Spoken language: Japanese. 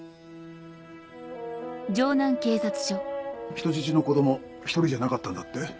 人質の子供１人じゃなかったんだって？